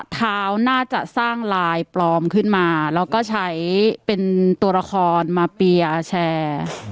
เท้าน่าจะสร้างลายปลอมขึ้นมาแล้วก็ใช้เป็นตัวละครมาเปียร์แชร์